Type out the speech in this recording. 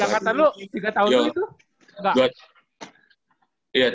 yang kata lo tiga tahun gitu